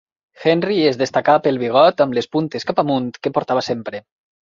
Henry es destacà pel bigot amb les puntes cap amunt que portava sempre.